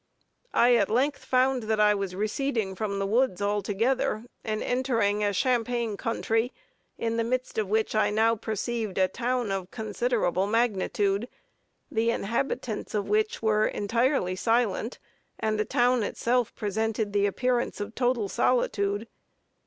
I at length found that I was receding from the woods altogether, and entering a champaign country, in the midst of which I now perceived a town of considerable magnitude, the inhabitants of which were entirely silent, and the town itself presented the appearance of total solitude.